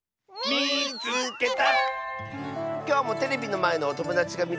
「みいつけた！」。